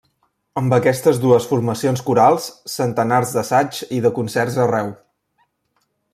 Amb aquestes dues formacions corals centenars d'assaigs i de concerts arreu.